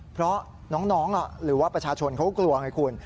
เพราะน้องหรือว่าประชาชนเขาก็กลัวไงคุณ